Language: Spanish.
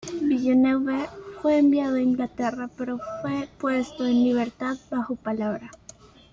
Villeneuve fue enviado a Inglaterra, pero fue puesto en libertad bajo palabra.